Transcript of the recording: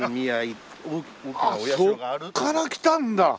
あっそこからきたんだ。